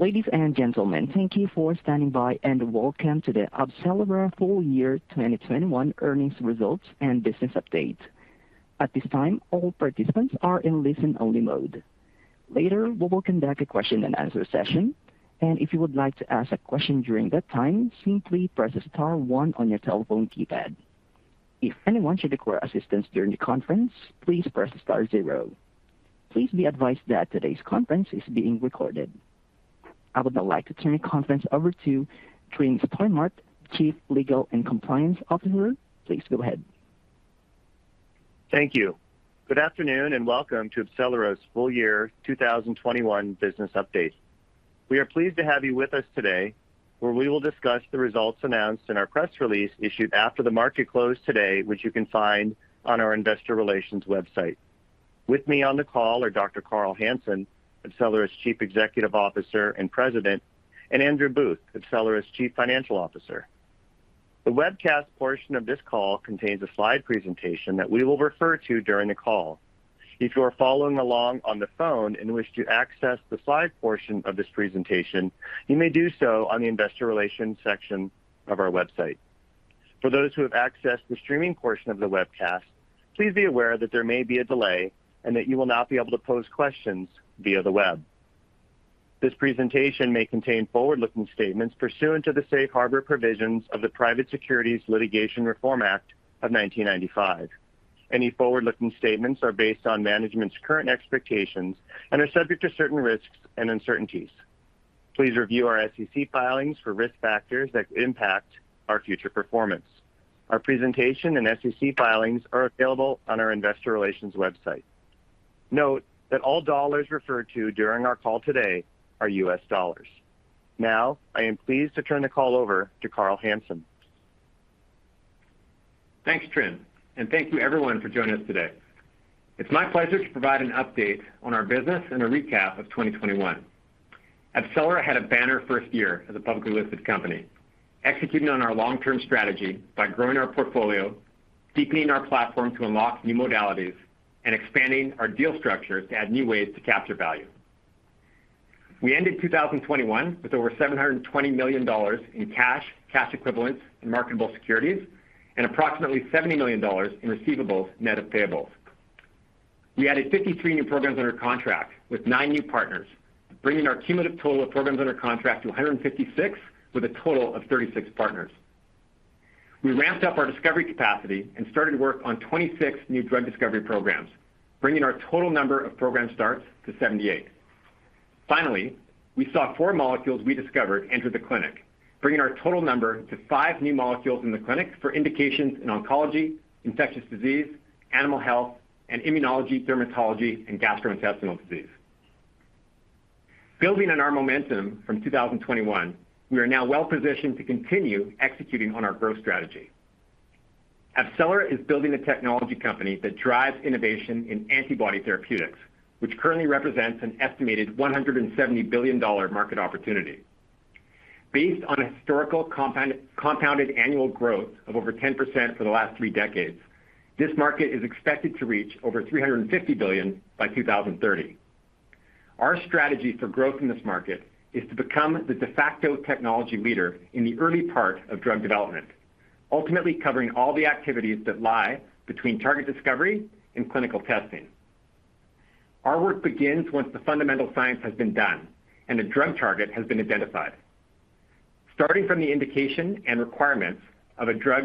Ladies and gentlemen, thank you for standing by, and welcome to the AbCellera Full Year 2021 Earnings Results and Business Update. At this time, all participants are in listen-only mode. Later, we will conduct a question-and-answer session, and if you would like to ask a question during that time, simply press star one on your telephone keypad. If anyone should require assistance during the conference, please press star zero. Please be advised that today's conference is being recorded. I would now like to turn the conference over to Tryn Stimart, Chief Legal and Compliance Officer. Please go ahead. Thank you. Good afternoon, and welcome to AbCellera's full year 2021 business update. We are pleased to have you with us today, where we will discuss the results announced in our press release issued after the market closed today, which you can find on our investor relations website. With me on the call are Dr. Carl Hansen, AbCellera's Chief Executive Officer and President, and Andrew Booth, AbCellera's Chief Financial Officer. The webcast portion of this call contains a slide presentation that we will refer to during the call. If you are following along on the phone and wish to access the slide portion of this presentation, you may do so on the investor relations section of our website. For those who have accessed the streaming portion of the webcast, please be aware that there may be a delay and that you will not be able to pose questions via the web. This presentation may contain forward-looking statements pursuant to the Safe Harbor provisions of the Private Securities Litigation Reform Act of 1995. Any forward-looking statements are based on management's current expectations and are subject to certain risks and uncertainties. Please review our SEC filings for risk factors that could impact our future performance. Our presentation and SEC filings are available on our investor relations website. Note that all dollars referred to during our call today are U.S. dollars. Now, I am pleased to turn the call over to Carl Hansen. Thanks, Trin, and thank you everyone for joining us today. It's my pleasure to provide an update on our business and a recap of 2021. AbCellera had a banner first year as a publicly listed company, executing on our long-term strategy by growing our portfolio, deepening our platform to unlock new modalities, and expanding our deal structures to add new ways to capture value. We ended 2021 with over $720 million in cash equivalents, and marketable securities, and approximately $70 million in receivables net of payables. We added 53 new programs under contract with 9 new partners, bringing our cumulative total of programs under contract to 156, with a total of 36 partners. We ramped up our discovery capacity and started work on 26 new drug discovery programs, bringing our total number of program starts to 78. Finally, we saw four molecules we discovered enter the clinic, bringing our total number to five new molecules in the clinic for indications in oncology, infectious disease, animal health, and immunology, dermatology, and gastrointestinal disease. Building on our momentum from 2021, we are now well-positioned to continue executing on our growth strategy. AbCellera is building a technology company that drives innovation in antibody therapeutics, which currently represents an estimated $170 billion market opportunity. Based on historical compound, compounded annual growth of over 10% for the last three decades, this market is expected to reach over $350 billion by 2030. Our strategy for growth in this market is to become the de facto technology leader in the early part of drug development, ultimately covering all the activities that lie between target discovery and clinical testing. Our work begins once the fundamental science has been done and a drug target has been identified. Starting from the indication and requirements of a drug,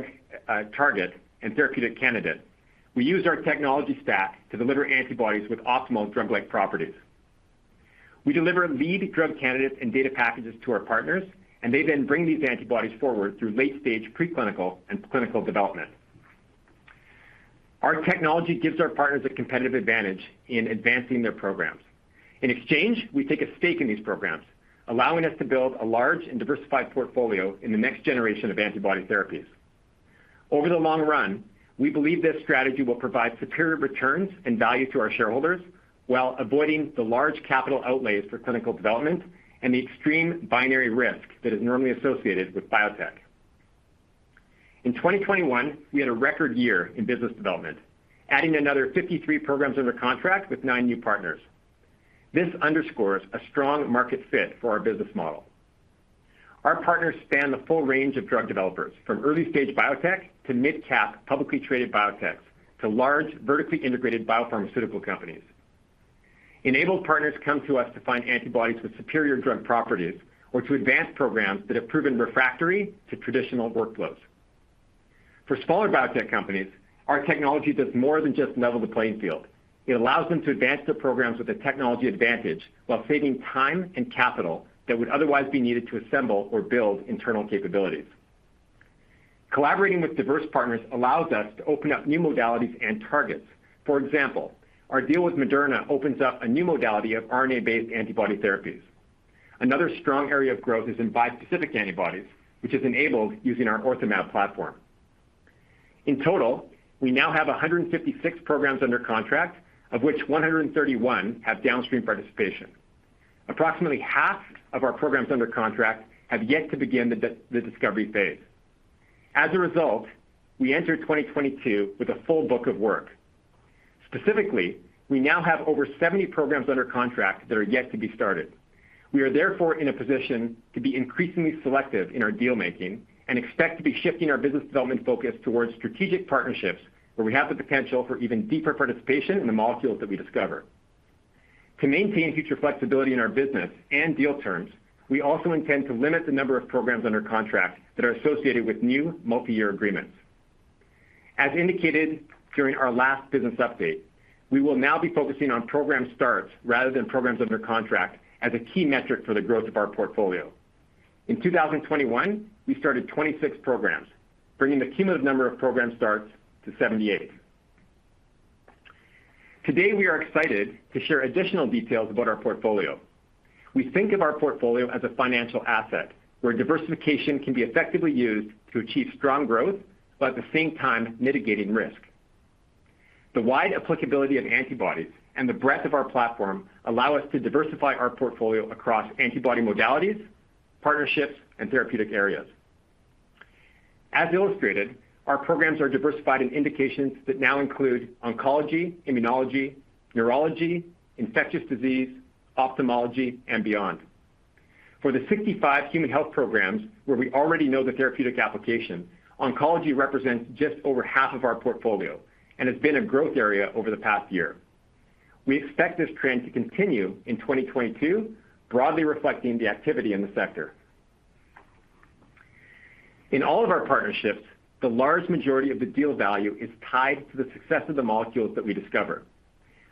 target and therapeutic candidate, we use our technology stack to deliver antibodies with optimal drug-like properties. We deliver lead drug candidates and data packages to our partners, and they then bring these antibodies forward through late-stage preclinical and clinical development. Our technology gives our partners a competitive advantage in advancing their programs. In exchange, we take a stake in these programs, allowing us to build a large and diversified portfolio in the next generation of antibody therapies. Over the long run, we believe this strategy will provide superior returns and value to our shareholders while avoiding the large capital outlays for clinical development and the extreme binary risk that is normally associated with biotech. In 2021, we had a record year in business development, adding another 53 programs under contract with nine new partners. This underscores a strong market fit for our business model. Our partners span the full range of drug developers, from early-stage biotech to mid-cap publicly traded biotechs to large, vertically integrated biopharmaceutical companies. Enabled partners come to us to find antibodies with superior drug properties or to advance programs that have proven refractory to traditional workflows. For smaller biotech companies, our technology does more than just level the playing field. It allows them to advance their programs with a technology advantage while saving time and capital that would otherwise be needed to assemble or build internal capabilities. Collaborating with diverse partners allows us to open up new modalities and targets. For example, our deal with Moderna opens up a new modality of RNA-based antibody therapies. Another strong area of growth is in bispecific antibodies, which is enabled using our OrthoMab platform. In total, we now have 156 programs under contract, of which 131 have downstream participation. Approximately half of our programs under contract have yet to begin the discovery phase. As a result, we enter 2022 with a full book of work. Specifically, we now have over 70 programs under contract that are yet to be started. We are therefore in a position to be increasingly selective in our deal-making and expect to be shifting our business development focus towards strategic partnerships where we have the potential for even deeper participation in the molecules that we discover. To maintain future flexibility in our business and deal terms, we also intend to limit the number of programs under contract that are associated with new multi-year agreements. As indicated during our last business update, we will now be focusing on program starts rather than programs under contract as a key metric for the growth of our portfolio. In 2021, we started 26 programs, bringing the cumulative number of program starts to 78. Today, we are excited to share additional details about our portfolio. We think of our portfolio as a financial asset, where diversification can be effectively used to achieve strong growth, while at the same time mitigating risk. The wide applicability of antibodies and the breadth of our platform allow us to diversify our portfolio across antibody modalities, partnerships, and therapeutic areas. As illustrated, our programs are diversified in indications that now include oncology, immunology, neurology, infectious disease, ophthalmology, and beyond. For the 65 human health programs where we already know the therapeutic application, oncology represents just over half of our portfolio and has been a growth area over the past year. We expect this trend to continue in 2022, broadly reflecting the activity in the sector. In all of our partnerships, the large majority of the deal value is tied to the success of the molecules that we discover.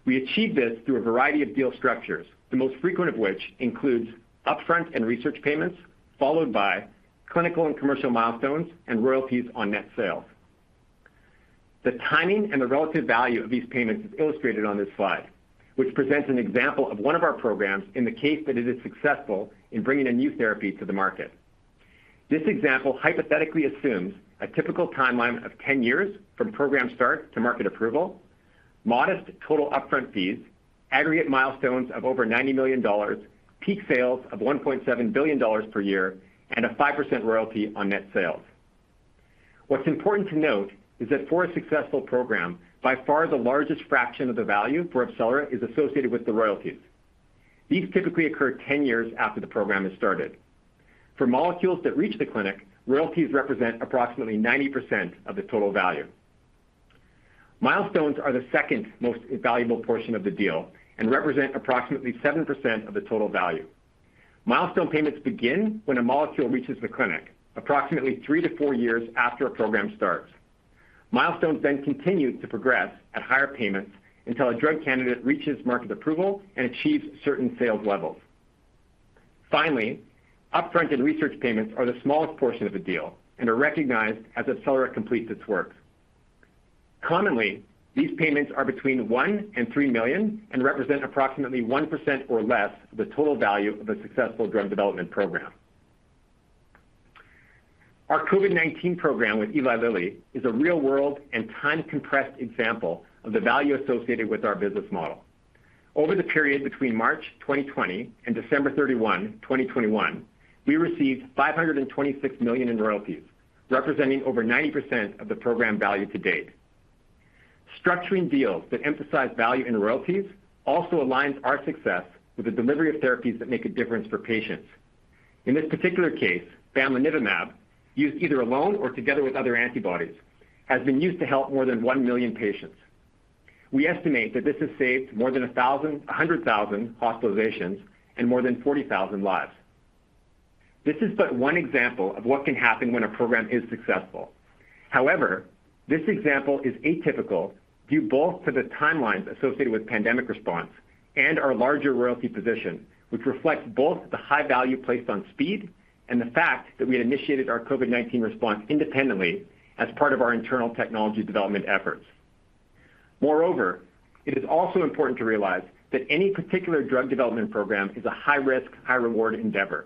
We achieve this through a variety of deal structures, the most frequent of which includes upfront and research payments, followed by clinical and commercial milestones and royalties on net sales. The timing and the relative value of these payments is illustrated on this slide, which presents an example of one of our programs in the case that it is successful in bringing a new therapy to the market. This example hypothetically assumes a typical timeline of 10 years from program start to market approval, modest total upfront fees, aggregate milestones of over $90 million, peak sales of $1.7 billion per year, and a 5% royalty on net sales. What's important to note is that for a successful program, by far the largest fraction of the value for Accelerate is associated with the royalties. These typically occur 10 years after the program is started. For molecules that reach the clinic, royalties represent approximately 90% of the total value. Milestones are the second most valuable portion of the deal and represent approximately 7% of the total value. Milestone payments begin when a molecule reaches the clinic, approximately three-four years after a program starts. Milestones then continue to progress at higher payments until a drug candidate reaches market approval and achieves certain sales levels. Finally, upfront and research payments are the smallest portion of the deal and are recognized as AbCellera completes its work. Commonly, these payments are between $1 million-$3 million and represent approximately 1% or less of the total value of a successful drug development program. Our COVID-19 program with Eli Lilly is a real-world and time-compressed example of the value associated with our business model. Over the period between March 2020 and December 31, 2021, we received $526 million in royalties, representing over 90% of the program value to date. Structuring deals that emphasize value in royalties also aligns our success with the delivery of therapies that make a difference for patients. In this particular case, bamlanivimab, used either alone or together with other antibodies, has been used to help more than 1 million patients. We estimate that this has saved more than 100,000 hospitalizations and more than 40,000 lives. This is but one example of what can happen when a program is successful. However, this example is atypical due both to the timelines associated with pandemic response and our larger royalty position, which reflects both the high value placed on speed and the fact that we had initiated our COVID-19 response independently as part of our internal technology development efforts. Moreover, it is also important to realize that any particular drug development program is a high-risk, high-reward endeavor,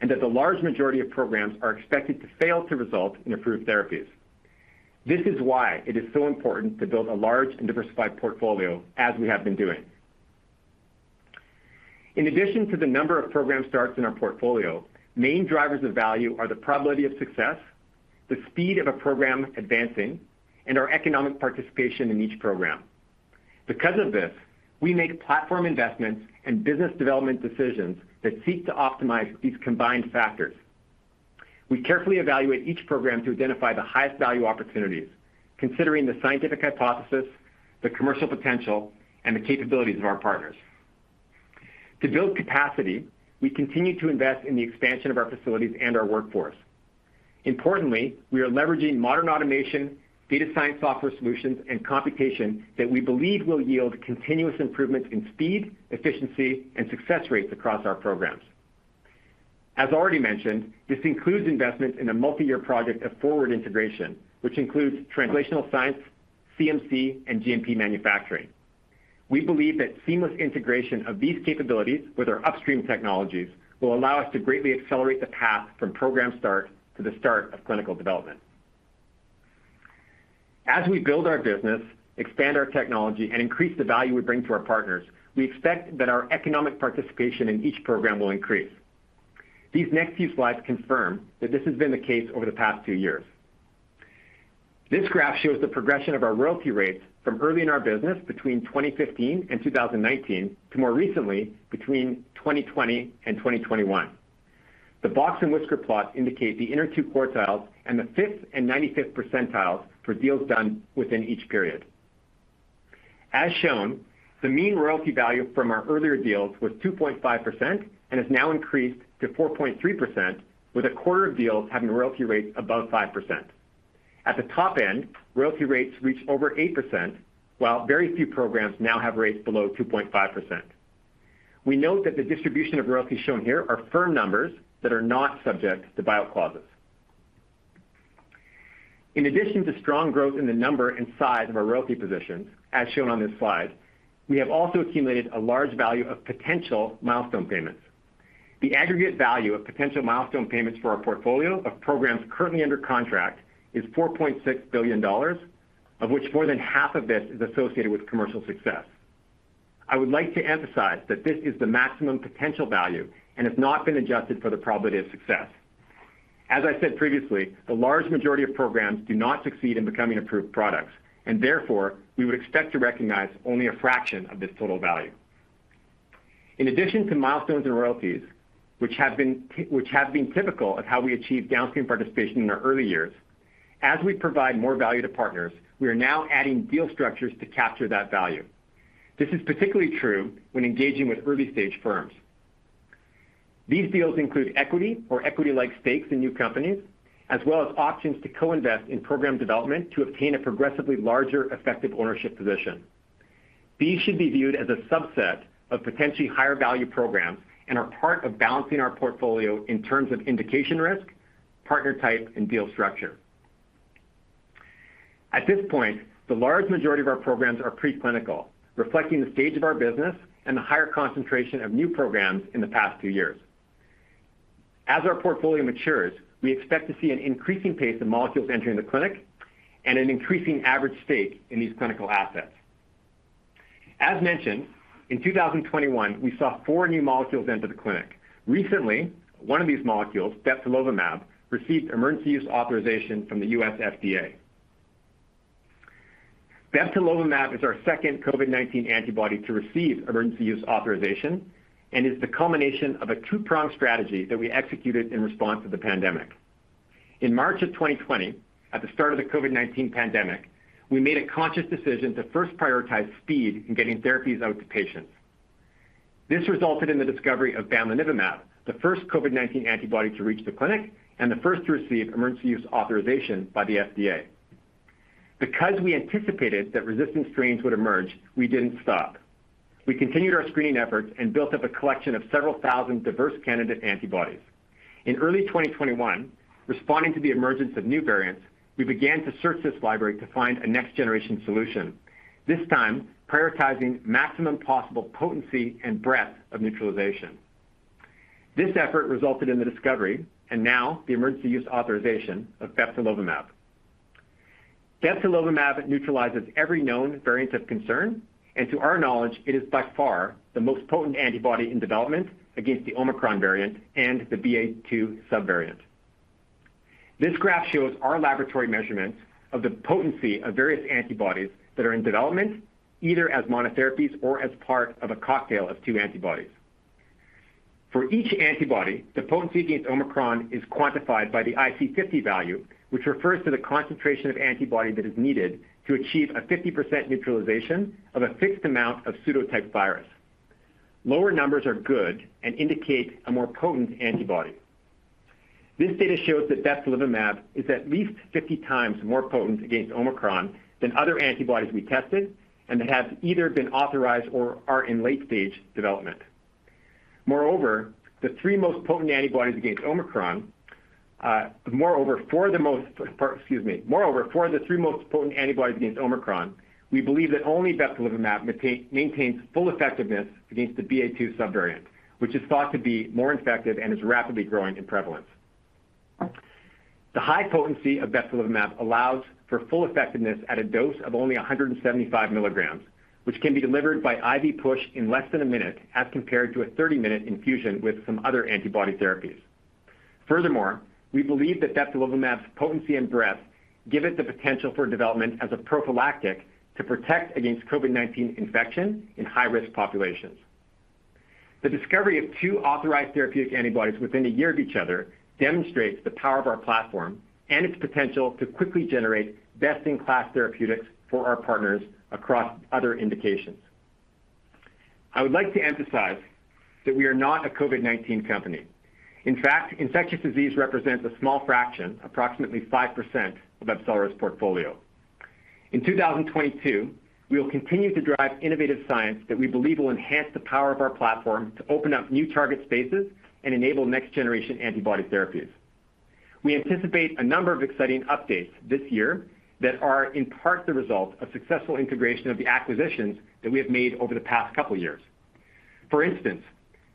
and that the large majority of programs are expected to fail to result in approved therapies. This is why it is so important to build a large and diversified portfolio as we have been doing. In addition to the number of program starts in our portfolio, main drivers of value are the probability of success, the speed of a program advancing, and our economic participation in each program. Because of this, we make platform investments and business development decisions that seek to optimize these combined factors. We carefully evaluate each program to identify the highest value opportunities, considering the scientific hypothesis, the commercial potential, and the capabilities of our partners. To build capacity, we continue to invest in the expansion of our facilities and our workforce. Importantly, we are leveraging modern automation, data science software solutions, and computation that we believe will yield continuous improvements in speed, efficiency, and success rates across our programs. As already mentioned, this includes investments in a multi-year project of forward integration, which includes translational science, CMC, and GMP manufacturing. We believe that seamless integration of these capabilities with our upstream technologies will allow us to greatly accelerate the path from program start to the start of clinical development. As we build our business, expand our technology, and increase the value we bring to our partners, we expect that our economic participation in each program will increase. These next few slides confirm that this has been the case over the past two years. This graph shows the progression of our royalty rates from early in our business between 2015 and 2019 to more recently between 2020 and 2021. The box and whisker plot indicate the inner two quartiles and the fifth and ninety-fifth percentiles for deals done within each period. As shown, the mean royalty value from our earlier deals was 2.5% and has now increased to 4.3%, with a quarter of deals having royalty rates above 5%. At the top end, royalty rates reach over 8%, while very few programs now have rates below 2.5%. We note that the distribution of royalties shown here are firm numbers that are not subject to buyout clauses. In addition to strong growth in the number and size of our royalty positions, as shown on this slide, we have also accumulated a large value of potential milestone payments. The aggregate value of potential milestone payments for our portfolio of programs currently under contract is $4.6 billion, of which more than half of this is associated with commercial success. I would like to emphasize that this is the maximum potential value and has not been adjusted for the probability of success. As I said previously, the large majority of programs do not succeed in becoming approved products, and therefore, we would expect to recognize only a fraction of this total value. In addition to milestones and royalties, which have been typical of how we achieve downstream participation in our early years, as we provide more value to partners, we are now adding deal structures to capture that value. This is particularly true when engaging with early-stage firms. These deals include equity or equity-like stakes in new companies, as well as options to co-invest in program development to obtain a progressively larger effective ownership position. These should be viewed as a subset of potentially higher value programs and are part of balancing our portfolio in terms of indication risk, partner type, and deal structure. At this point, the large majority of our programs are pre-clinical, reflecting the stage of our business and the higher concentration of new programs in the past two years. As our portfolio matures, we expect to see an increasing pace of molecules entering the clinic and an increasing average stake in these clinical assets. As mentioned, in 2021, we saw four new molecules enter the clinic. Recently, one of these molecules, bebtelovimab, received emergency use authorization from the U.S. FDA. Bebtelovimab is our second COVID-19 antibody to receive emergency use authorization and is the culmination of a two-pronged strategy that we executed in response to the pandemic. In March 2020, at the start of the COVID-19 pandemic, we made a conscious decision to first prioritize speed in getting therapies out to patients. This resulted in the discovery of bamlanivimab, the first COVID-19 antibody to reach the clinic and the first to receive emergency use authorization by the FDA. Because we anticipated that resistant strains would emerge, we didn't stop. We continued our screening efforts and built up a collection of several thousand diverse candidate antibodies. In early 2021, responding to the emergence of new variants, we began to search this library to find a next-generation solution, this time prioritizing maximum possible potency and breadth of neutralization. This effort resulted in the discovery, and now the emergency use authorization of bebtelovimab. Bebtelovimab neutralizes every known variant of concern, and to our knowledge, it is by far the most potent antibody in development against the Omicron variant and the BA.2 subvariant. This graph shows our laboratory measurements of the potency of various antibodies that are in development, either as monotherapies or as part of a cocktail of two antibodies. For each antibody, the potency against Omicron is quantified by the IC50 value, which refers to the concentration of antibody that is needed to achieve a 50% neutralization of a fixed amount of pseudotyped virus. Lower numbers are good and indicate a more potent antibody. This data shows that bebtelovimab is at least 50 times more potent against Omicron than other antibodies we tested and that have either been authorized or are in late-stage development. Moreover, the three most potent antibodies against Omicron. Moreover, one of the four most potent antibodies against Omicron, we believe that only bebtelovimab maintains full effectiveness against the BA.2 subvariant, which is thought to be more effective and is rapidly growing in prevalence. The high potency of bebtelovimab allows for full effectiveness at a dose of only 175 milligrams, which can be delivered by IV push in less than a minute as compared to a 30-minute infusion with some other antibody therapies. Furthermore, we believe that bebtelovimab's potency and breadth give it the potential for development as a prophylactic to protect against COVID-19 infection in high-risk populations. The discovery of two authorized therapeutic antibodies within a year of each other demonstrates the power of our platform and its potential to quickly generate best-in-class therapeutics for our partners across other indications. I would like to emphasize that we are not a COVID-19 company. In fact, infectious disease represents a small fraction, approximately 5% of AbCellera's portfolio. In 2022, we will continue to drive innovative science that we believe will enhance the power of our platform to open up new target spaces and enable next-generation antibody therapies. We anticipate a number of exciting updates this year that are in part the result of successful integration of the acquisitions that we have made over the past couple years. For instance,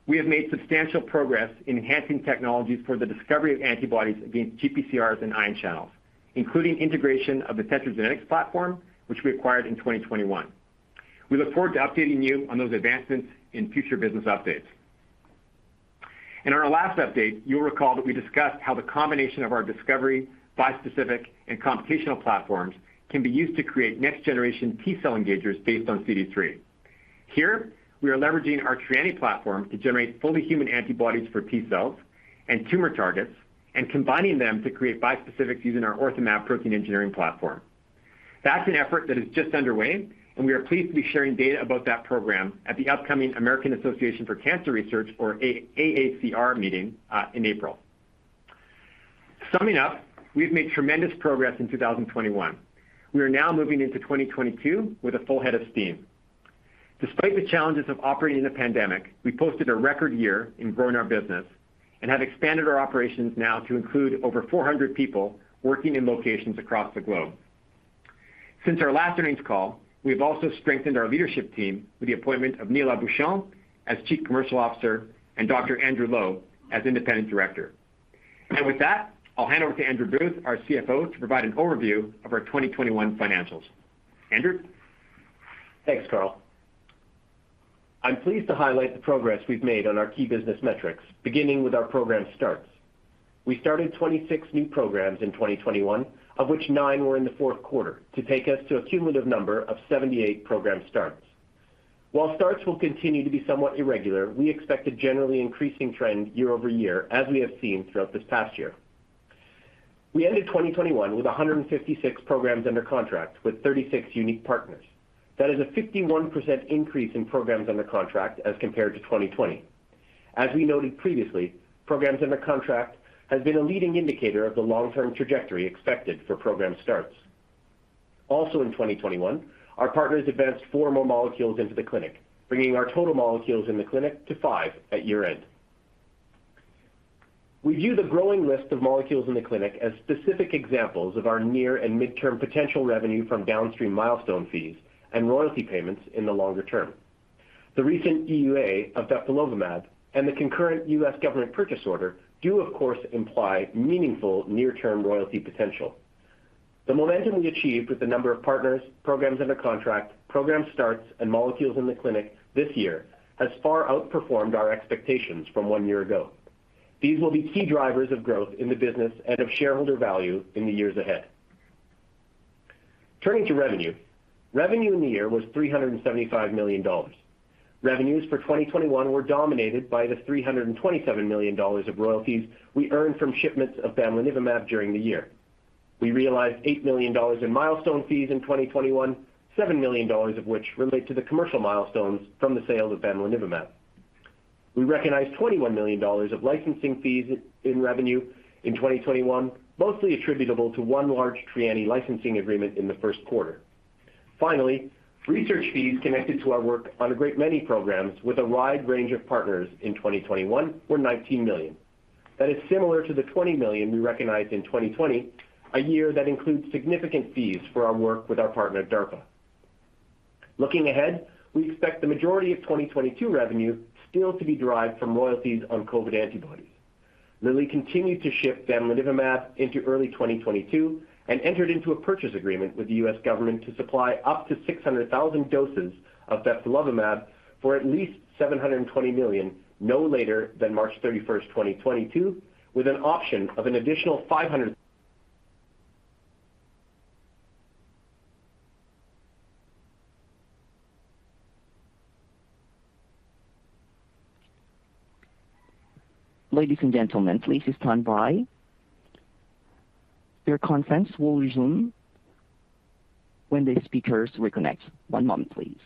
we have made substantial progress in enhancing technologies for the discovery of antibodies against GPCRs and ion channels, including integration of the TetraGenetics platform, which we acquired in 2021. We look forward to updating you on those advancements in future business updates. In our last update, you'll recall that we discussed how the combination of our discovery, bispecific, and computational platforms can be used to create next-generation T-cell engagers based on CD3. Here we are leveraging our Trianni platform to generate fully human antibodies for T-cells and tumor targets, and combining them to create bispecifics using our OrthoMab protein engineering platform. That's an effort that is just underway, and we are pleased to be sharing data about that program at the upcoming American Association for Cancer Research or AACR meeting in April. Summing up, we've made tremendous progress in 2021. We are now moving into 2022 with a full head of steam. Despite the challenges of operating in a pandemic, we posted a record year in growing our business and have expanded our operations now to include over 400 people working in locations across the globe. Since our last earnings call, we have also strengthened our leadership team with the appointment of Neil Berkley as Chief Commercial Officer and Dr. Andrew W. Lo as Independent Director. With that, I'll hand over to Andrew Booth, our CFO, to provide an overview of our 2021 financials. Andrew. Thanks, Carl. I'm pleased to highlight the progress we've made on our key business metrics, beginning with our program starts. We started 26 new programs in 2021, of which nine were in the Q4, to take us to a cumulative number of 78 program starts. While starts will continue to be somewhat irregular, we expect a generally increasing trend year over year, as we have seen throughout this past year. We ended 2021 with 156 programs under contract with 36 unique partners. That is a 51% increase in programs under contract as compared to 2020. As we noted previously, programs under contract has been a leading indicator of the long-term trajectory expected for program starts. Also in 2021, our partners advanced four more molecules into the clinic, bringing our total molecules in the clinic to 5 at year-end. We view the growing list of molecules in the clinic as specific examples of our near and midterm potential revenue from downstream milestone fees and royalty payments in the longer term. The recent EUA of bebtelovimab and the concurrent U.S. government purchase order do of course imply meaningful near-term royalty potential. The momentum we achieved with the number of partners, programs under contract, program starts, and molecules in the clinic this year has far outperformed our expectations from one year ago. These will be key drivers of growth in the business and of shareholder value in the years ahead. Turning to revenue. Revenue in the year was $375 million. Revenues for 2021 were dominated by the $327 million of royalties we earned from shipments of bamlanivimab during the year. We realized $8 million in milestone fees in 2021, $7 million of which relate to the commercial milestones from the sale of bamlanivimab. We recognized $21 million of licensing fees in revenue in 2021, mostly attributable to one large Trianni licensing agreement in the Q1. Finally, research fees connected to our work on a great many programs with a wide range of partners in 2021 were $19 million. That is similar to the $20 million we recognized in 2020, a year that includes significant fees for our work with our partner DARPA. Looking ahead, we expect the majority of 2022 revenue still to be derived from royalties on COVID antibodies. Lilly continued to ship bamlanivimab into early 2022 and entered into a purchase agreement with the U.S. government to supply up to 600,000 doses of bebtelovimab for at least $720 million no later than March 31, 2022, with an option of an additional 500- Ladies and gentlemen, please stand by. Your conference will resume when the speakers reconnect. One moment, please.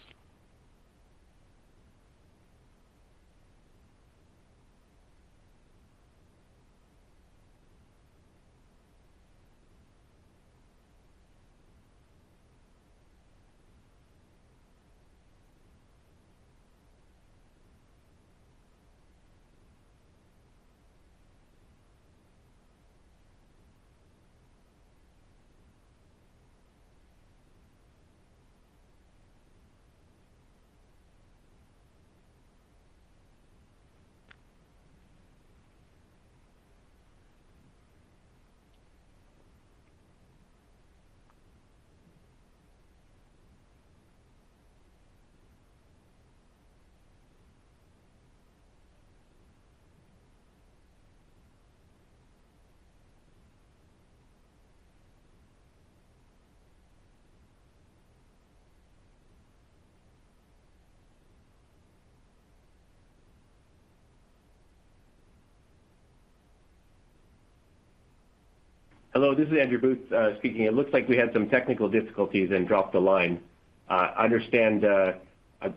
Hello, this is Andrew Booth speaking. It looks like we had some technical difficulties and dropped the line. I understand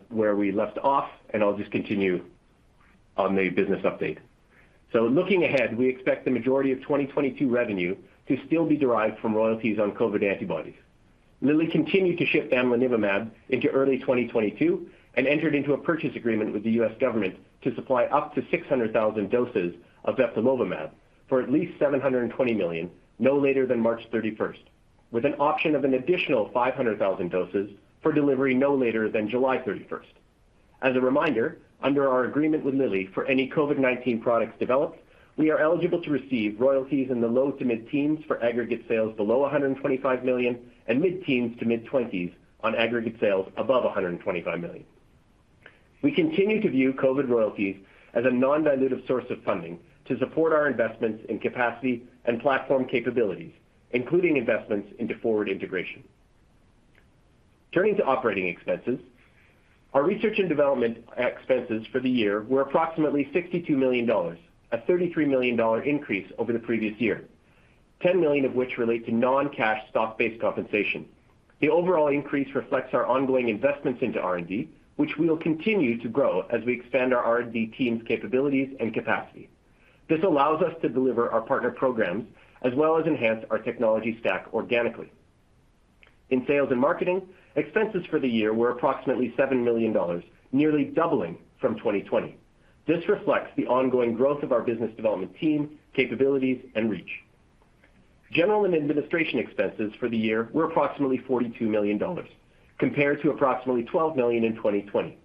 where we left off, and I'll just continue on the business update. Looking ahead, we expect the majority of 2022 revenue to still be derived from royalties on COVID antibodies. Lilly continued to ship bamlanivimab into early 2022 and entered into a purchase agreement with the U.S. government to supply up to 600,000 doses of bebtelovimab for at least $720 million no later than March 31, with an option of an additional 500,000 doses for delivery no later than July 31. As a reminder, under our agreement with Lilly for any COVID-19 products developed, we are eligible to receive royalties in the low- to mid-teens% for aggregate sales below $125 million and mid-teens- to mid-twenties% on aggregate sales above $125 million. We continue to view COVID royalties as a non-dilutive source of funding to support our investments in capacity and platform capabilities, including investments into forward integration. Turning to operating expenses. Our research and development expenses for the year were approximately $62 million, a $33 million increase over the previous year, $10 million of which relate to non-cash stock-based compensation. The overall increase reflects our ongoing investments into R&D, which we will continue to grow as we expand our R&D team's capabilities and capacity. This allows us to deliver our partner programs as well as enhance our technology stack organically. In sales and marketing, expenses for the year were approximately $7 million, nearly doubling from 2020. This reflects the ongoing growth of our business development team capabilities and reach. General and administrative expenses for the year were approximately $42 million compared to approximately $12 million in 2020.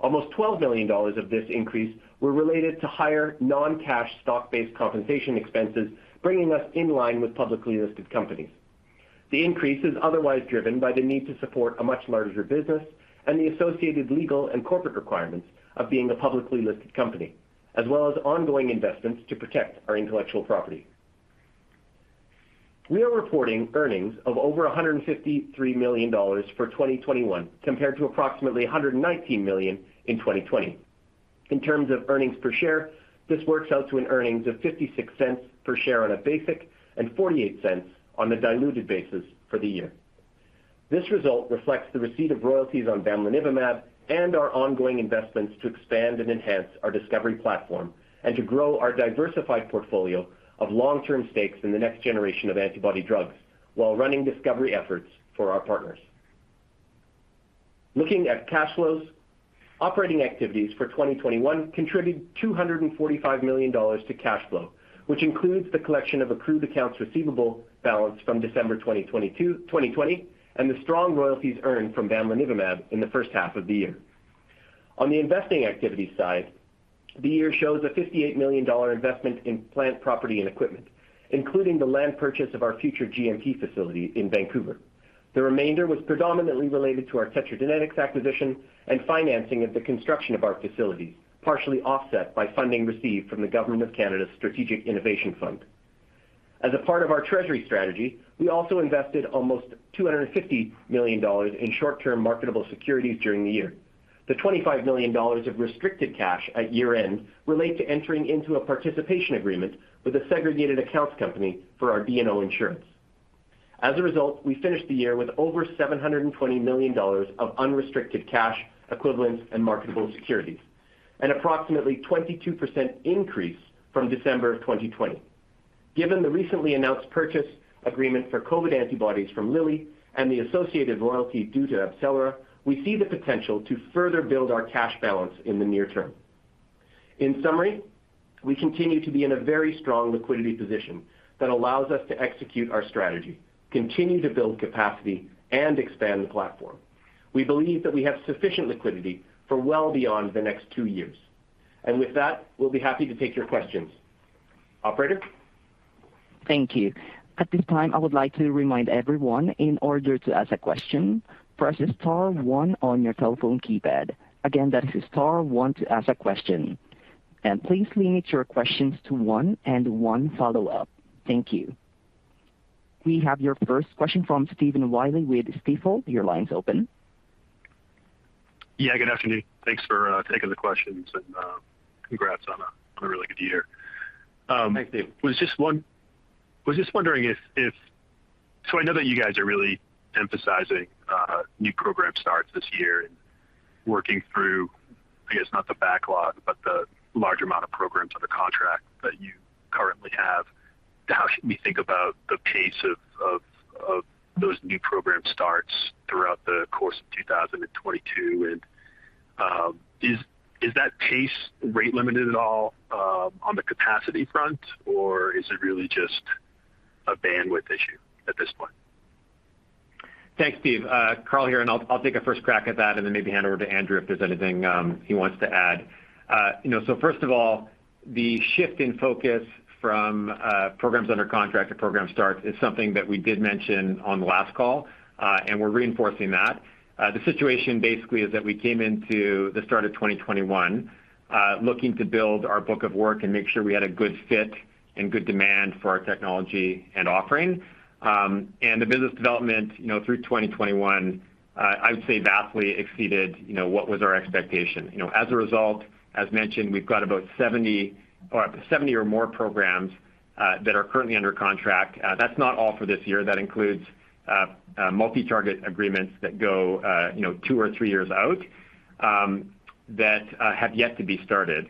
Almost $12 million of this increase were related to higher non-cash stock-based compensation expenses, bringing us in line with publicly listed companies. The increase is otherwise driven by the need to support a much larger business and the associated legal and corporate requirements of being a publicly listed company, as well as ongoing investments to protect our intellectual property. We are reporting earnings of over $153 million for 2021 compared to approximately $119 million in 2020. In terms of earnings per share, this works out to an earnings of $0.56 per share on a basic and $0.48 on the diluted basis for the year. This result reflects the receipt of royalties on bamlanivimab and our ongoing investments to expand and enhance our discovery platform and to grow our diversified portfolio of long-term stakes in the next generation of antibody drugs while running discovery efforts for our partners. Looking at cash flows. Operating activities for 2021 contributed $245 million to cash flow, which includes the collection of accrued accounts receivable balance from December 2020, and the strong royalties earned from bamlanivimab in the first half of the year. On the investing activity side, the year shows a $58 million dollar investment in plant property and equipment, including the land purchase of our future GMP facility in Vancouver. The remainder was predominantly related to our TetraGenetics acquisition and financing of the construction of our facilities, partially offset by funding received from the government of Canada's Strategic Innovation Fund. As a part of our treasury strategy, we also invested almost $250 million dollars in short-term marketable securities during the year. The $25 million of restricted cash at year-end relate to entering into a participation agreement with a segregated accounts company for our D&O insurance. As a result, we finished the year with over $720 million of unrestricted cash equivalents and marketable securities, an approximately 22% increase from December of 2020. Given the recently announced purchase agreement for COVID antibodies from Lilly and the associated royalties due to AbCellera, we see the potential to further build our cash balance in the near term. In summary, we continue to be in a very strong liquidity position that allows us to execute our strategy, continue to build capacity and expand the platform. We believe that we have sufficient liquidity for well beyond the next two years. With that, we'll be happy to take your questions. Operator? Thank you. At this time, I would like to remind everyone in order to ask a question, press star one on your telephone keypad. Again, that's star one to ask a question. Please limit your questions to one and one follow-up. Thank you. We have your first question from Stephen Willey with Stifel. Your line's open. Yeah, good afternoon. Thanks for taking the questions and congrats on a really good year. Thanks, Steve. I was just wondering if. So I know that you guys are really emphasizing new program starts this year and working through, I guess, not the backlog, but the large amount of programs under contract that you currently have. How should we think about the pace of those new program starts throughout the course of 2022? And is that pace rate limited at all on the capacity front, or is it really just a bandwidth issue at this point? Thanks, Steve. Carl here, and I'll take a first crack at that and then maybe hand over to Andrew if there's anything he wants to add. You know, first of all, the shift in focus from programs under contract to program starts is something that we did mention on the last call, and we're reinforcing that. The situation basically is that we came into the start of 2021, looking to build our book of work and make sure we had a good fit and good demand for our technology and offering. The business development, you know, through 2021, I would say vastly exceeded, you know, what was our expectation. You know, as a result, as mentioned, we've got about 70 or more programs that are currently under contract. That's not all for this year. That includes multi-target agreements that go, you know, two or three years out, that have yet to be started.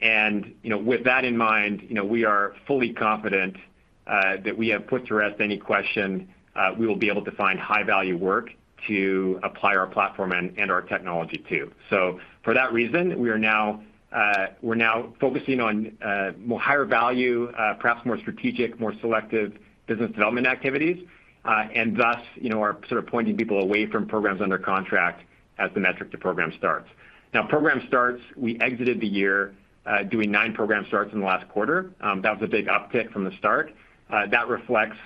You know, with that in mind, you know, we are fully confident That we have put to rest any question, we will be able to find high-value work to apply our platform and our technology to. For that reason, we are now focusing on more higher value, perhaps more strategic, more selective business development activities. Thus, you know, are sort of pointing people away from programs under contract as the metric to program starts. Now, program starts, we exited the year doing nine program starts in the last quarter. That was a big uptick from the start. That reflects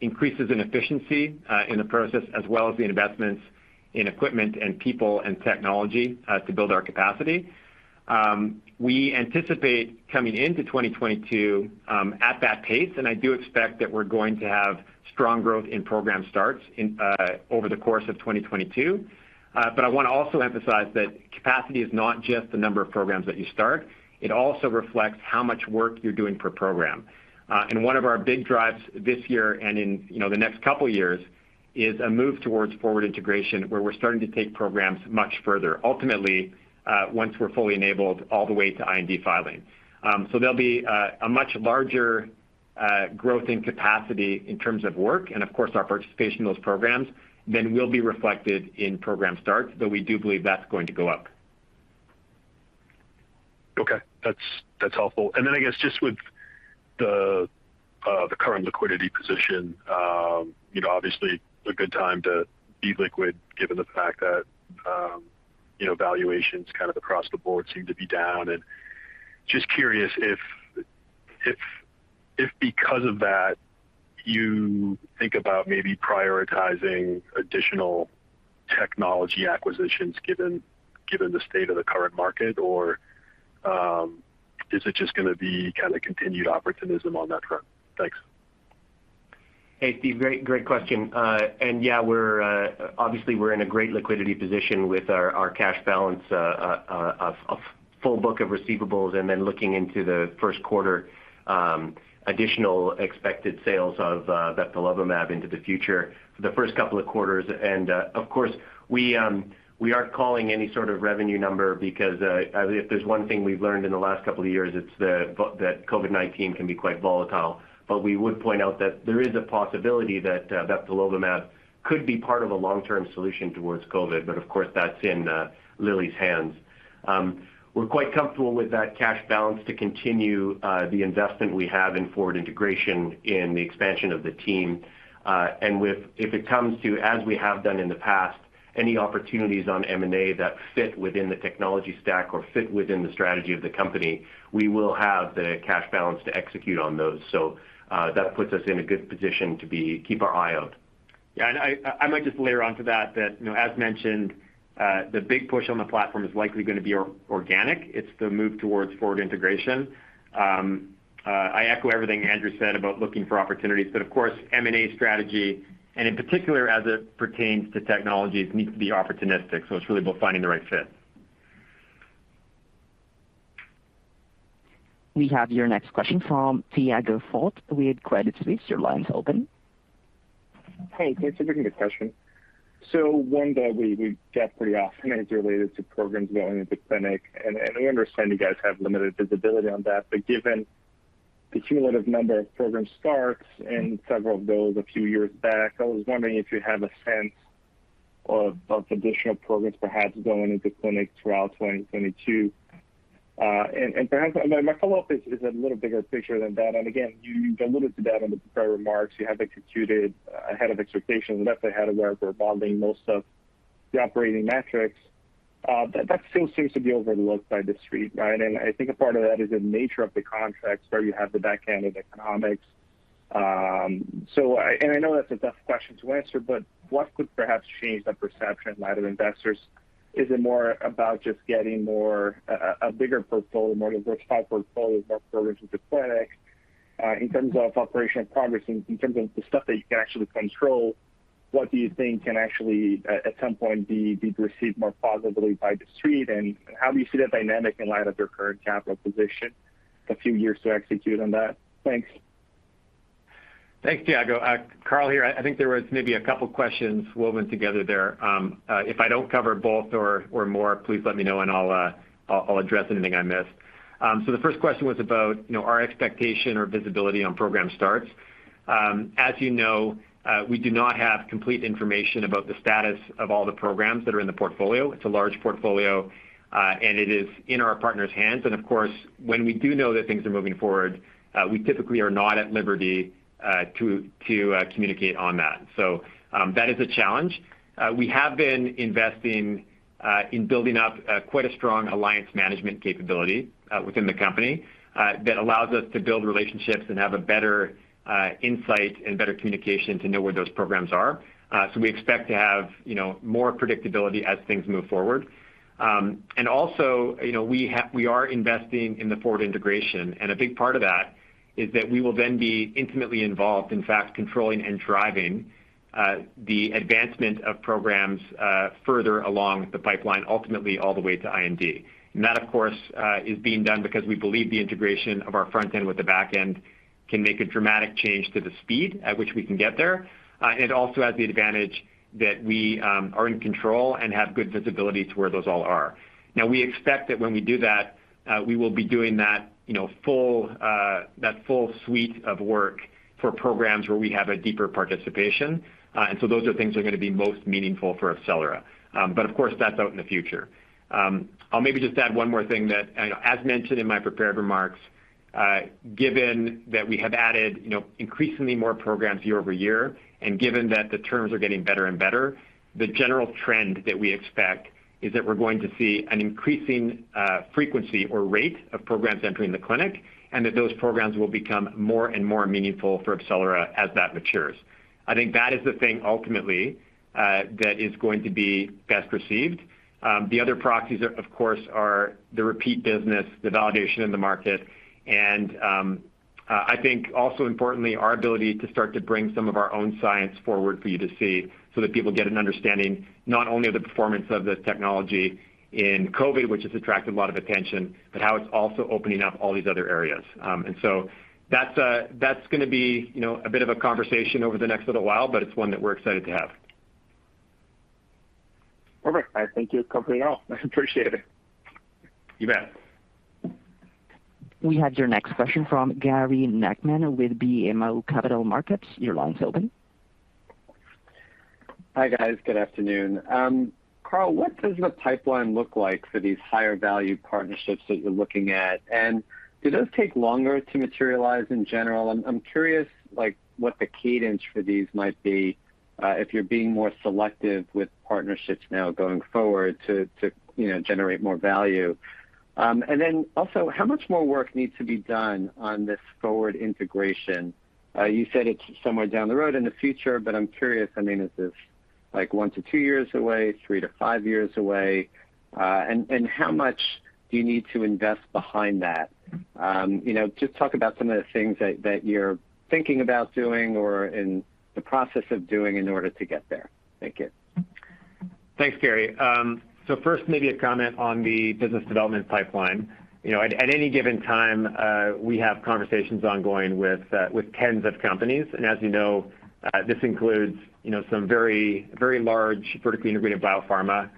increases in efficiency in the process as well as the investments in equipment and people and technology to build our capacity. We anticipate coming into 2022 at that pace, and I do expect that we're going to have strong growth in program starts over the course of 2022. I wanna also emphasize that capacity is not just the number of programs that you start, it also reflects how much work you're doing per program. One of our big drives this year and in, you know, the next couple years is a move towards forward integration where we're starting to take programs much further. Ultimately, once we're fully enabled all the way to IND filing, there'll be a much larger growth in capacity in terms of work and of course our participation in those programs than will be reflected in program starts, though we do believe that's going to go up. Okay. That's helpful. Then I guess just with the current liquidity position, you know, obviously a good time to be liquid given the fact that, you know, valuations kind of across the board seem to be down. Just curious if because of that, you think about maybe prioritizing additional technology acquisitions given the state of the current market or, is it just gonna be kinda continued opportunism on that front? Thanks. Hey, Steve. Great question. Yeah, we're obviously in a great liquidity position with our cash balance of full book of receivables and then looking into the first quarter, additional expected sales of bebtelovimab into the future for the first couple of quarters. Of course, we aren't calling any sort of revenue number because if there's one thing we've learned in the last couple of years, it's that COVID-19 can be quite volatile. We would point out that there is a possibility that bebtelovimab could be part of a long-term solution towards COVID, but of course, that's in Lilly's hands. We're quite comfortable with that cash balance to continue the investment we have in forward integration in the expansion of the team. If it comes to, as we have done in the past, any opportunities on M&A that fit within the technology stack or fit within the strategy of the company, we will have the cash balance to execute on those. That puts us in a good position to keep our eye out. I might just layer onto that, you know, as mentioned, the big push on the platform is likely gonna be organic. It's the move towards forward integration. I echo everything Andrew said about looking for opportunities, but of course, M&A strategy and in particular as it pertains to technologies needs to be opportunistic. It's really about finding the right fit. We have your next question from Tiago Fauth with Credit Suisse. Your line's open. Hey. Thanks for taking the question. One that we get pretty often is related to programs going into clinic. We understand you guys have limited visibility on that. Given the cumulative number of program starts and several of those a few years back, I was wondering if you have a sense of additional programs perhaps going into clinic throughout 2022. Perhaps. I mean, my follow-up is a little bigger picture than that. Again, you've alluded to that in the prepared remarks. You have executed ahead of expectations, left ahead of where we're beyond most of the operating metrics. That still seems to be overlooked by The Street, right? I think a part of that is the nature of the contracts where you have the back end of the economics. I... I know that's a tough question to answer, but what could perhaps change the perception in light of investors? Is it more about just getting more a bigger portfolio, more diversified portfolio, more programs into clinic? In terms of operational progress, in terms of the stuff that you can actually control, what do you think can actually at some point be perceived more positively by The Street? How do you see that dynamic in light of your current capital position, a few years to execute on that? Thanks. Thanks, Thiago. Carl here. I think there was maybe a couple questions woven together there. If I don't cover both or more, please let me know and I'll address anything I missed. The first question was about, you know, our expectation or visibility on program starts. As you know, we do not have complete information about the status of all the programs that are in the portfolio. It's a large portfolio, and it is in our partners' hands. Of course, when we do know that things are moving forward, we typically are not at liberty to communicate on that. That is a challenge. We have been investing in building up quite a strong alliance management capability within the company that allows us to build relationships and have a better insight and better communication to know where those programs are. We expect to have, you know, more predictability as things move forward. You know, we are investing in the forward integration, and a big part of that is that we will then be intimately involved, in fact, controlling and driving the advancement of programs further along the pipeline, ultimately all the way to IND. That, of course, is being done because we believe the integration of our front end with the back end can make a dramatic change to the speed at which we can get there. It also has the advantage that we are in control and have good visibility to where those all are. Now, we expect that when we do that, we will be doing that, you know, full suite of work for programs where we have a deeper participation. Those are things that are going to be most meaningful for AbCellera. Of course, that's out in the future. I'll maybe just add one more thing that, you know, as mentioned in my prepared remarks, given that we have added, you know, increasingly more programs year over year, and given that the terms are getting better and better, the general trend that we expect is that we're going to see an increasing frequency or rate of programs entering the clinic, and that those programs will become more and more meaningful for AbCellera as that matures. I think that is the thing ultimately that is going to be best received. The other proxies are, of course, the repeat business, the validation in the market. I think also importantly, our ability to start to bring some of our own science forward for you to see so that people get an understanding not only of the performance of the technology in COVID, which has attracted a lot of attention, but how it's also opening up all these other areas. That's going to be, you know, a bit of a conversation over the next little while, but it's one that we're excited to have. Perfect. I think you've covered it all. I appreciate it. You bet. We have your next question from Gary Nachman with BMO Capital Markets. Your line's open. Hi, guys. Good afternoon. Carl, what does the pipeline look like for these higher value partnerships that you're looking at? Do those take longer to materialize in general? I'm curious, like, what the cadence for these might be, if you're being more selective with partnerships now going forward to, you know, generate more value. And then also, how much more work needs to be done on this forward integration? You said it's somewhere down the road in the future, but I'm curious, I mean, is this like one-two years away, three-five years away? And how much do you need to invest behind that? You know, just talk about some of the things that you're thinking about doing or in the process of doing in order to get there. Thank you. Thanks, Gary. First, maybe a comment on the business development pipeline. You know, at any given time, we have conversations ongoing with tens of companies. As you know, this includes, you know, some very, very large vertically integrated biopharma,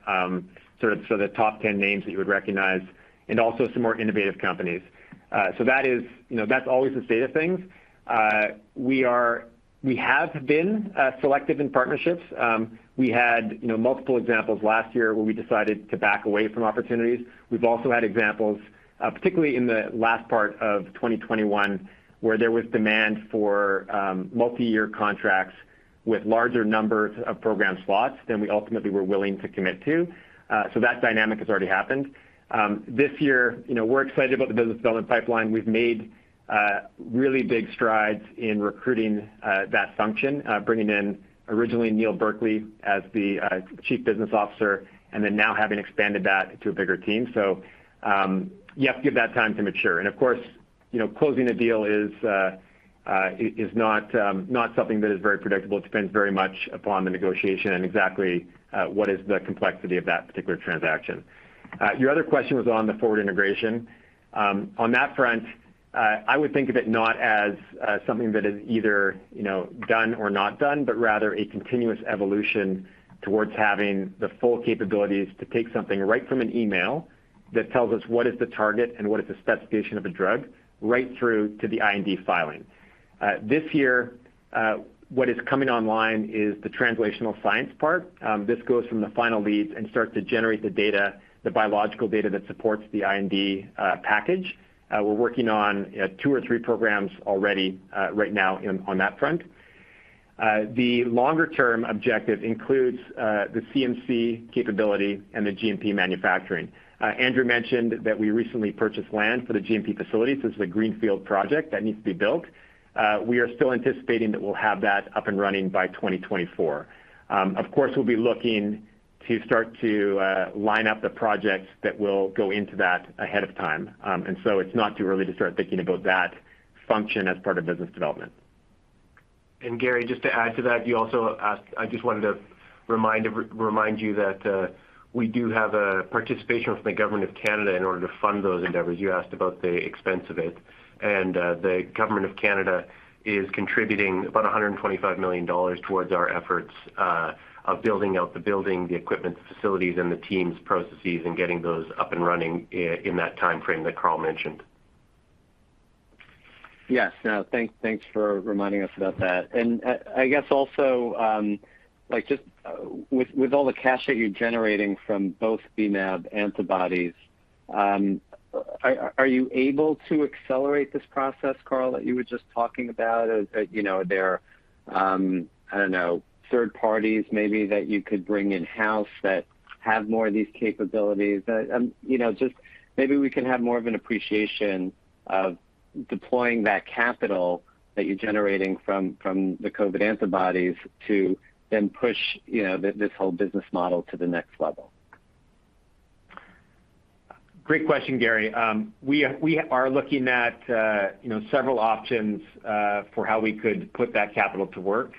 sort of, so the top 10 names that you would recognize and also some more innovative companies. That is, you know, that's always the state of things. We have been selective in partnerships. We had, you know, multiple examples last year where we decided to back away from opportunities. We've also had examples, particularly in the last part of 2021, where there was demand for multi-year contracts with larger numbers of program slots than we ultimately were willing to commit to. That dynamic has already happened. This year, you know, we're excited about the business development pipeline. We've made really big strides in recruiting that function, bringing in originally Neil Berkley as the Chief Business Officer and then now having expanded that to a bigger team. You have to give that time to mature. Of course, you know, closing a deal is not something that is very predictable. It depends very much upon the negotiation and exactly what is the complexity of that particular transaction. Your other question was on the forward integration. On that front, I would think of it not as something that is either, you know, done or not done, but rather a continuous evolution towards having the full capabilities to take something right from an email that tells us what is the target and what is the specification of a drug right through to the IND filing. This year, what is coming online is the translational science part. This goes from the final leads and start to generate the data, the biological data that supports the IND package. We're working on two or three programs already right now in on that front. The longer-term objective includes the CMC capability and the GMP manufacturing. Andrew mentioned that we recently purchased land for the GMP facility. This is a greenfield project that needs to be built. We are still anticipating that we'll have that up and running by 2024. Of course, we'll be looking to start to line up the projects that will go into that ahead of time. It's not too early to start thinking about that function as part of business development. Gary, just to add to that, you also asked. I just wanted to remind you that we do have a participation from the government of Canada in order to fund those endeavors. You asked about the expense of it. The government of Canada is contributing about $125 million towards our efforts of building out the building, the equipment, the facilities, and the teams, processes, and getting those up and running in that time frame that Carl mentioned. Yes. Thanks for reminding us about that. I guess also, like, just with all the cash that you're generating from both the mAb antibodies, are you able to accelerate this process, Carl, that you were just talking about? You know, are there, I don't know, third parties maybe that you could bring in-house that have more of these capabilities? You know, just maybe we can have more of an appreciation of deploying that capital that you're generating from the COVID antibodies to then push this whole business model to the next level. Great question, Gary. We are looking at you know several options for how we could put that capital to work.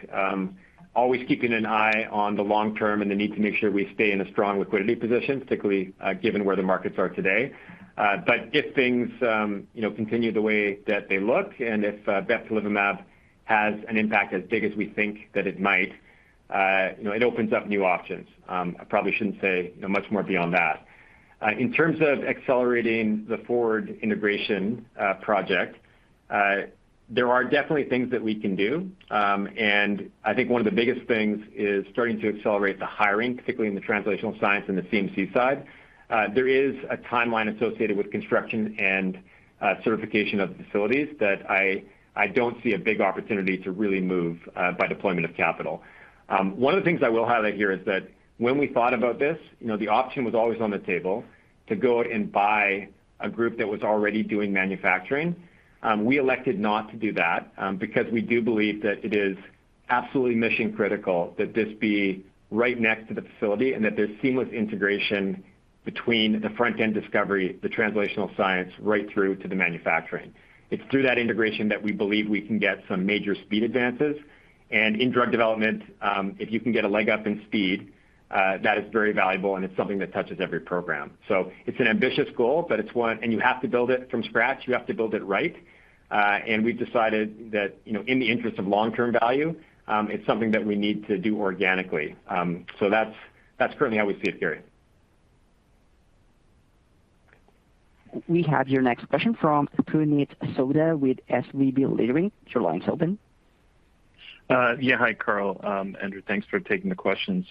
Always keeping an eye on the long term and the need to make sure we stay in a strong liquidity position, particularly given where the markets are today. If things you know continue the way that they look, and if bebtelovimab has an impact as big as we think that it might, you know it opens up new options. I probably shouldn't say you know much more beyond that. In terms of accelerating the forward integration project, there are definitely things that we can do. I think one of the biggest things is starting to accelerate the hiring, particularly in the translational science and the CMC side. There is a timeline associated with construction and certification of the facilities that I don't see a big opportunity to really move by deployment of capital. One of the things I will highlight here is that when we thought about this, you know, the option was always on the table to go and buy a group that was already doing manufacturing. We elected not to do that, because we do believe that it is absolutely mission-critical that this be right next to the facility and that there's seamless integration between the front-end discovery, the translational science, right through to the manufacturing. It's through that integration that we believe we can get some major speed advances. In drug development, if you can get a leg up in speed, that is very valuable, and it's something that touches every program. It's an ambitious goal, but it's one. You have to build it from scratch, you have to build it right. We've decided that, you know, in the interest of long-term value, it's something that we need to do organically. That's currently how we see it, Gary. We have your next question from Puneet Souda with SVB Leerink. Your line is open. Yeah. Hi, Carl. Andrew, thanks for taking the questions.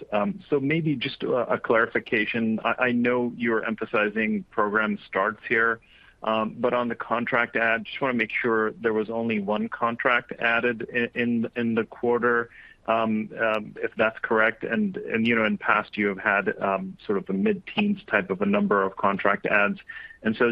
So maybe just a clarification. I know you're emphasizing program starts here, but on the contract add, just wanna make sure there was only one contract added in the quarter, if that's correct. You know, in past you have had sort of the mid-teens type of a number of contract adds.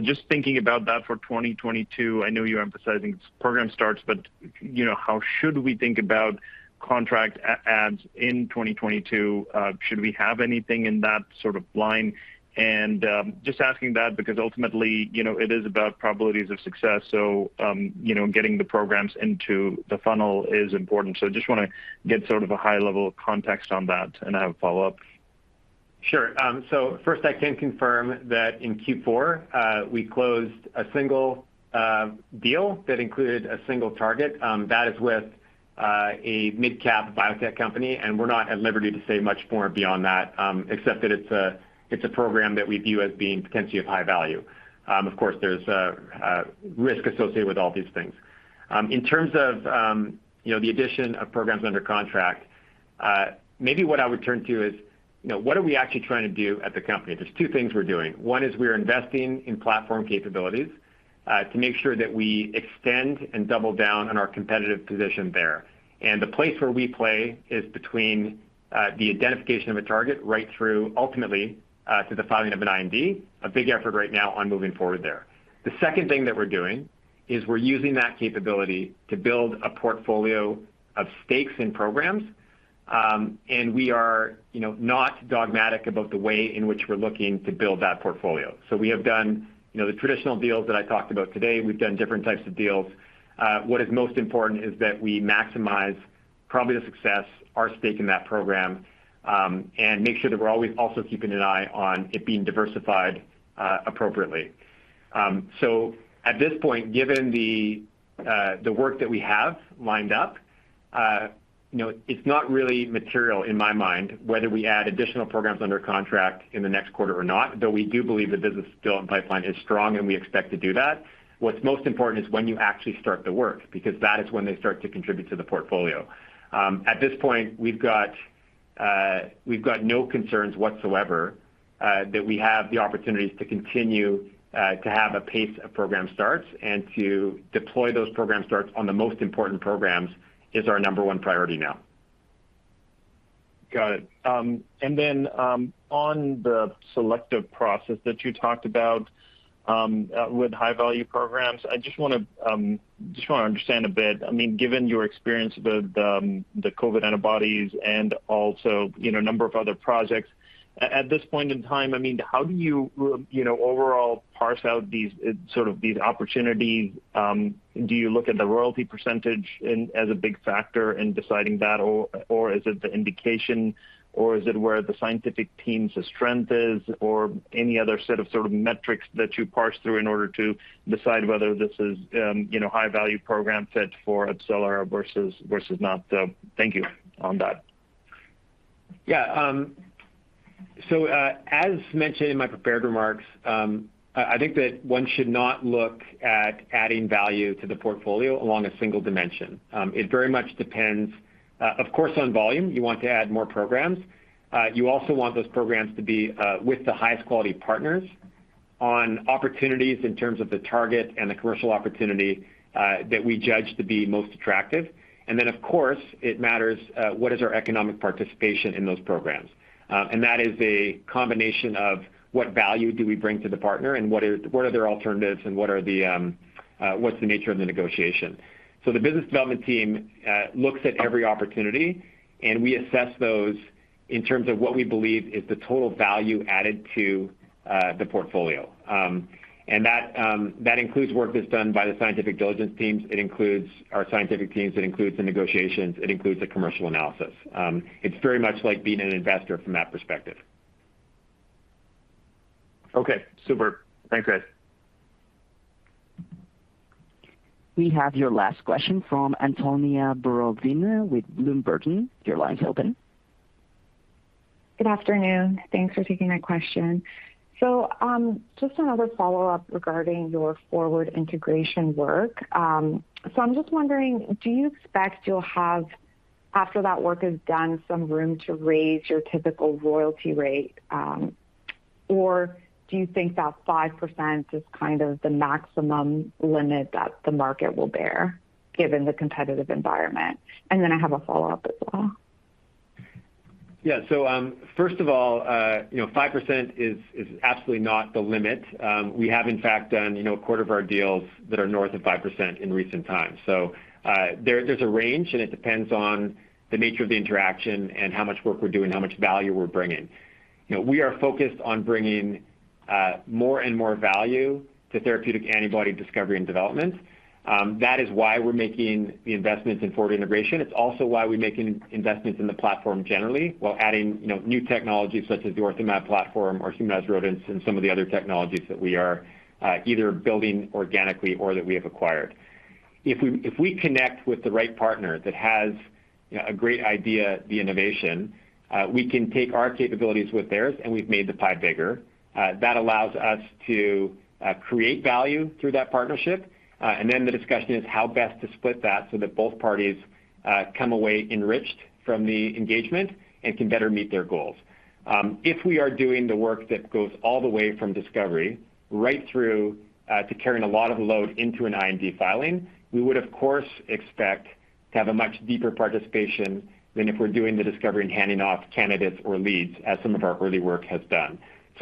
Just thinking about that for 2022, I know you're emphasizing program starts, but you know, how should we think about contract adds in 2022? Should we have anything in that sort of line? Just asking that because ultimately, you know, it is about probabilities of success. You know, getting the programs into the funnel is important. Just wanna get sort of a high level of context on that and I have a follow-up. Sure. First I can confirm that in Q4, we closed a single deal that included a single target that is with a midcap biotech company, and we're not at liberty to say much more beyond that, except that it's a program that we view as being potentially of high value. Of course, there's risk associated with all these things. In terms of you know the addition of programs under contract, maybe what I would turn to is you know what are we actually trying to do at the company? There's two things we're doing. One is we're investing in platform capabilities to make sure that we extend and double down on our competitive position there. The place where we play is between the identification of a target right through ultimately to the filing of an IND, a big effort right now on moving forward there. The second thing that we're doing is we're using that capability to build a portfolio of stakes in programs, and we are, you know, not dogmatic about the way in which we're looking to build that portfolio. We have done, you know, the traditional deals that I talked about today. We've done different types of deals. What is most important is that we maximize probably the success, our stake in that program, and make sure that we're always also keeping an eye on it being diversified appropriately. At this point, given the work that we have lined up, you know, it's not really material in my mind whether we add additional programs under contract in the next quarter or not, though we do believe the business development pipeline is strong, and we expect to do that. What's most important is when you actually start the work, because that is when they start to contribute to the portfolio. At this point, we've got no concerns whatsoever that we have the opportunities to continue to have a pace of program starts and to deploy those program starts on the most important programs is our number one priority now. Got it. And then, on the selective process that you talked about, with high value programs, I just wanna understand a bit. I mean, given your experience with the COVID antibodies and also, you know, a number of other projects, at this point in time, I mean, how do you know, overall parse out these, sort of these opportunities? Do you look at the royalty percentage as a big factor in deciding that or is it the indication or is it where the scientific team's strength is or any other set of sort of metrics that you parse through in order to decide whether this is, you know, high value program fit for AbCellera versus not? Thank you on that. Yeah. So, as mentioned in my prepared remarks, I think that one should not look at adding value to the portfolio along a single dimension. It very much depends, of course, on volume. You want to add more programs. You also want those programs to be with the highest quality partners on opportunities in terms of the target and the commercial opportunity that we judge to be most attractive. Then of course, it matters what is our economic participation in those programs. That is a combination of what value do we bring to the partner and what are their alternatives and what is the nature of the negotiation. The business development team looks at every opportunity, and we assess those in terms of what we believe is the total value added to the portfolio. That includes work that's done by the scientific diligence teams. It includes our scientific teams. It includes the negotiations. It includes the commercial analysis. It's very much like being an investor from that perspective. Okay, super. Thanks, Chris. We have your last question from Antonia Borovina with Bloomberg. Your line's open. Good afternoon. Thanks for taking my question. Just another follow-up regarding your forward integration work. I'm just wondering, do you expect you'll have, after that work is done, some room to raise your typical royalty rate, or do you think that 5% is kind of the maximum limit that the market will bear given the competitive environment? Then I have a follow-up as well. Yeah. First of all, you know, 5% is absolutely not the limit. We have in fact done, you know, a quarter of our deals that are north of 5% in recent times. There, there's a range, and it depends on the nature of the interaction and how much work we're doing, how much value we're bringing. You know, we are focused on bringing more and more value to therapeutic antibody discovery and development. That is why we're making the investments in forward integration. It's also why we're making investments in the platform generally, while adding, you know, new technologies such as the OrthoMab platform or humanized rodents and some of the other technologies that we are either building organically or that we have acquired. If we connect with the right partner that has, you know, a great idea, the innovation, we can take our capabilities with theirs, and we've made the pie bigger. That allows us to create value through that partnership. The discussion is how best to split that so that both parties come away enriched from the engagement and can better meet their goals. If we are doing the work that goes all the way from discovery right through to carrying a lot of load into an IND filing, we would of course expect to have a much deeper participation than if we're doing the discovery and handing off candidates or leads, as some of our early work has done.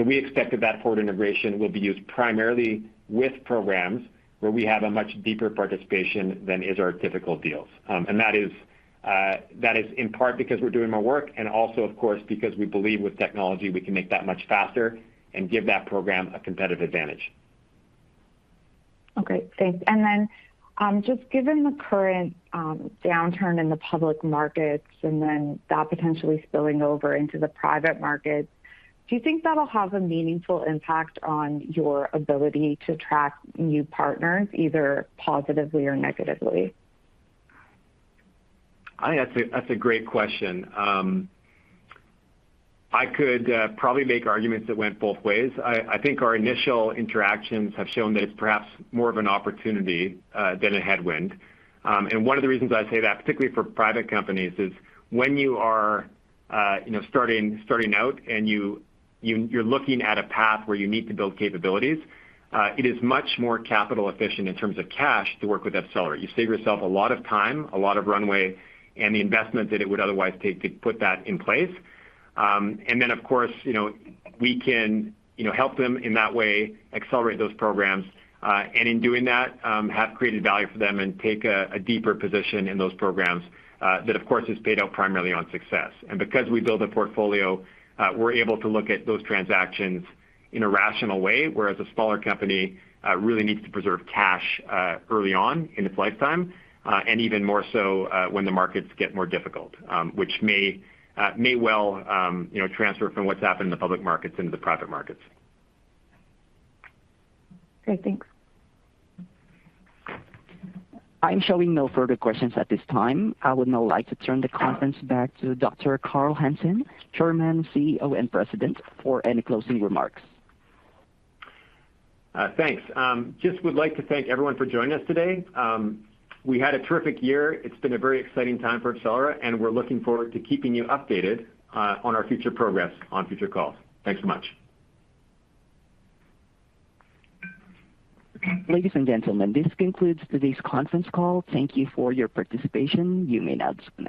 We expect that that forward integration will be used primarily with programs where we have a much deeper participation than is our typical deals. That is in part because we're doing more work and also, of course, because we believe with technology we can make that much faster and give that program a competitive advantage. Okay, thanks. Just given the current downturn in the public markets and then that potentially spilling over into the private markets, do you think that'll have a meaningful impact on your ability to attract new partners, either positively or negatively? I think that's a great question. I could probably make arguments that went both ways. I think our initial interactions have shown that it's perhaps more of an opportunity than a headwind. One of the reasons I say that, particularly for private companies, is when you are you know starting out and you're looking at a path where you need to build capabilities it is much more capital efficient in terms of cash to work with AbCellera. You save yourself a lot of time, a lot of runway, and the investment that it would otherwise take to put that in place. Of course, you know, we can, you know, help them in that way accelerate those programs, and in doing that, have created value for them and take a deeper position in those programs, that of course is paid out primarily on success. Because we build a portfolio, we're able to look at those transactions in a rational way, whereas a smaller company really needs to preserve cash early on in its lifetime, and even more so when the markets get more difficult, which may well, you know, transfer from what's happened in the public markets into the private markets. Great. Thanks. I'm showing no further questions at this time. I would now like to turn the conference back to Dr. Carl Hansen, Chairman, CEO and President, for any closing remarks. Thanks. Just would like to thank everyone for joining us today. We had a terrific year. It's been a very exciting time for AbCellera, and we're looking forward to keeping you updated on our future progress on future calls. Thanks so much. Ladies and gentlemen, this concludes today's conference call. Thank you for your participation. You may now disconnect.